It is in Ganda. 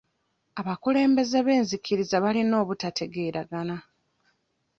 Abakulembeze b'enzikiriza balina obutategeeragana.